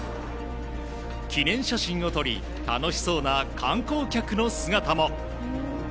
記念写真を撮り楽しそうな観光客の姿も。